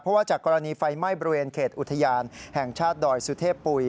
เพราะว่าจากกรณีไฟไหม้บริเวณเขตอุทยานแห่งชาติดอยสุเทพปุ๋ย